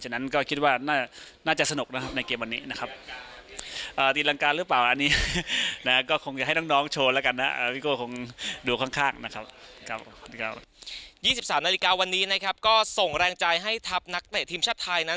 ๒๓นาฬิกาวันนี้นะครับก็ส่งแรงใจให้ทัพนักเตะทีมชาติไทยนั้น